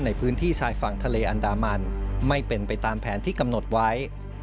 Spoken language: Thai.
ในพื้นที่ชายฝั่งทะเลอันดามันไม่เป็นไปตามแผนที่กำหนดไว้